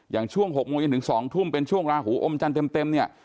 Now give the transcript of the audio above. อย่างช่วง๖โมงเย็นถึง๒ทุ่มเป็นช่วงราหูอมจันทร์เต็มเนี่ย